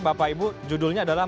bapak ibu judulnya adalah